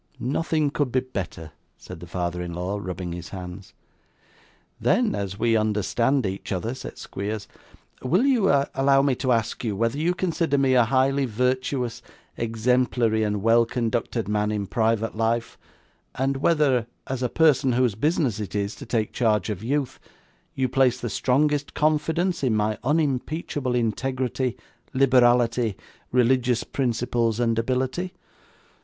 'Nothing could be better,' said the father in law, rubbing his hands. 'Then, as we understand each other,' said Squeers, 'will you allow me to ask you whether you consider me a highly virtuous, exemplary, and well conducted man in private life; and whether, as a person whose business it is to take charge of youth, you place the strongest confidence in my unimpeachable integrity, liberality, religious principles, and ability?